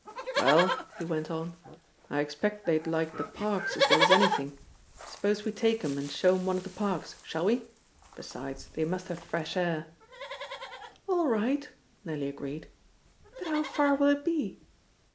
"Well," he went on, "I expect they'd like the parks as well as anything. Suppose we take 'em and show 'em one of the parks? Shall we? Besides, they must have fresh air." "All right," Nellie agreed. "But how far will it be?"